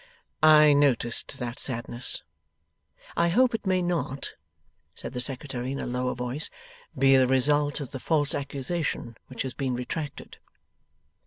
'I noticed that sadness. I hope it may not,' said the Secretary in a lower voice, 'be the result of the false accusation which has been retracted.